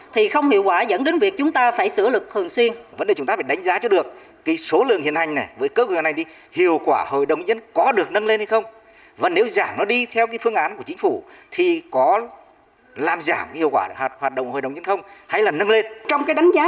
thì không hiệu quả dẫn đến việc chúng ta phải sửa lực thường xuyên